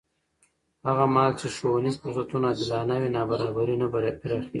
هغه مهال چې ښوونیز فرصتونه عادلانه وي، نابرابري نه پراخېږي.